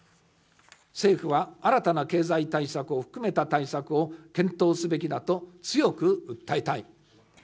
政府は新たな経済対策を含めた対策を検討すべきだと強く訴えたい。